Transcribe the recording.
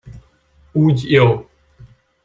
Úgy jó!